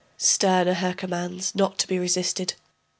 Stern are her commands, not to be resisted.